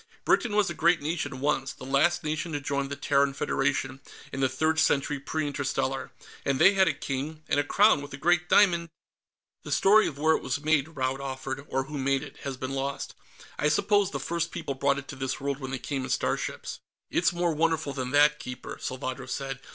Britain was a great nation, once; the last nation to join the Terran Federation, in the Third Century Pre Interstellar. And they had a king, and a crown with a great diamond...." "The story of where it was made," Rand offered, "or who made it, has been lost. I suppose the first people brought it to this world when they came in starships." "It's more wonderful than that, Keeper," Salvadro said.